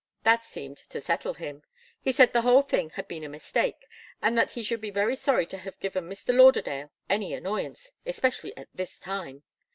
That seemed to settle him. He said the whole thing had been a mistake, and that he should be very sorry to have given Mr. Lauderdale any annoyance, especially at this time.